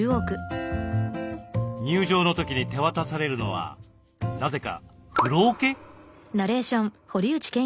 入場の時に手渡されるのはなぜか風呂おけ？